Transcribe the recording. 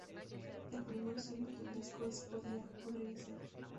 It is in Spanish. El primer single del disco es ""Podría ser"".